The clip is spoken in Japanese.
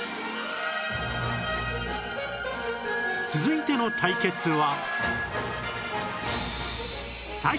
続いての対決は